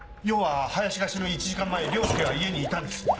要は林が死ぬ１時間前凌介は家にいたんです。